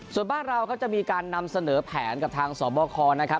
ส่วนบ้านเราก็จะมีการนำเสนอแผนกับทางสบคนะครับ